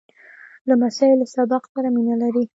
لمسی له سبق سره مینه لري.